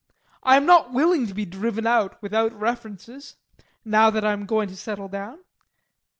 I am not willing to be driven out without references, now that I am going to settle down.